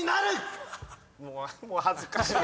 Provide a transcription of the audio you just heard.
もう恥ずかしい。